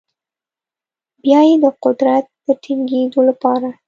بیا یې د قدرت د ټینګیدو لپاره